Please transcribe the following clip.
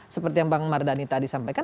seperti yang bang mardhani tadi sampaikan